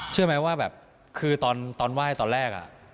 เชื่อไหมว่าแบบคือตอนไหว้ตอนแรก